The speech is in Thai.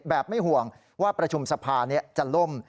แบบไม่ห่วงว่าประชุมสภาเนี่ยจะล่ม